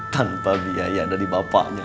tanpa biaya dari bapaknya